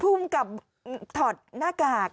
พุ่มกับถอดหน้ากาก